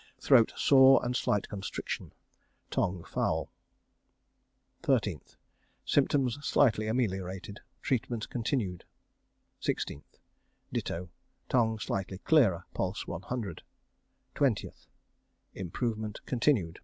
Throat sore, and slight constriction. Tongue foul. 13th. Symptoms slightly ameliorated. Treatment continued. 16th. Ditto. Tongue slightly clearer. Pulse 100. 20th. Improvement continued.